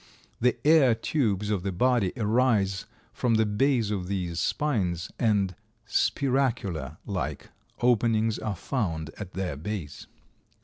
The air tubes of the body arise from the base of these spines, and spiracular like openings are found at their base.